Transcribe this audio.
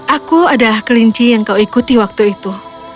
aku adalah kelinci yang kau ikuti waktu itu